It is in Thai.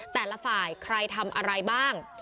แต่ละฝ่ายใครทำอะไรบ้าง